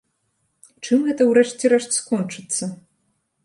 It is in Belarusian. Чым гэта, у рэшце рэшт, скончыцца?